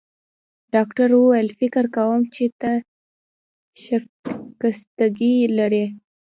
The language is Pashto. ډاکټر وویل: فکر کوم چي ته شکستګي لرې.